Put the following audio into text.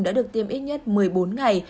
đã được tiêm ít nhất một mươi bốn ngày